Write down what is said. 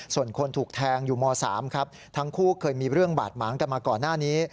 ส่วนคนถูกแทงอยู่ม๓ครับทั้งคู่เคยมีเรื่องบาดหมางกันมาก่อนหน้านี้